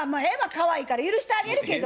かわいいから許してあげるけど。